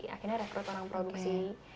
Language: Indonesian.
akhirnya rekrut orang produksi